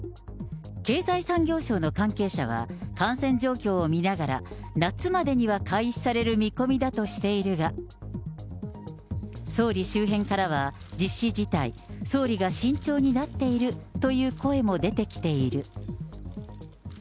経済産業省の関係者は、感染状況を見ながら、夏までには開始される見込みだとしているが、総理周辺からは、実施自体、総理が慎重になっているという声も出てきている。